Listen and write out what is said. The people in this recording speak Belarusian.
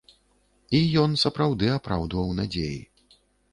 І ён сапраўды апраўдваў надзеі.